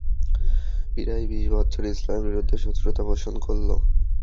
প্রায় বিশ বৎসর ইসলামের বিরুদ্ধে শত্রুতা পোষণ করল।